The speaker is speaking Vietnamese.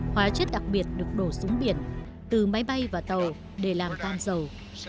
hóa chất đặc biệt được đổ xuống biển từ máy bay và tàu để làm tan dầu